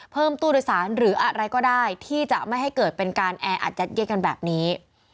ตู้โดยสารหรืออะไรก็ได้ที่จะไม่ให้เกิดเป็นการแออัดยัดเย็ดกันแบบนี้